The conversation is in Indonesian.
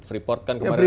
peripot kan kemarin